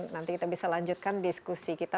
nanti kita bisa lanjutkan diskusi kita